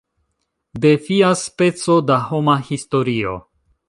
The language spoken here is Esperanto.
Defilas peco da homa historio.